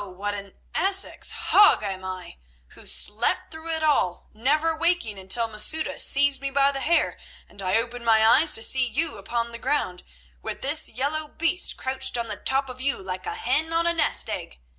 what an Essex hog am I, who slept through it all, never waking until Masouda seized me by the hair, and I opened my eyes to see you upon the ground with this yellow beast crouched on the top of you like a hen on a nest egg.